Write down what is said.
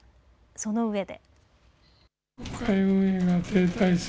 その上で。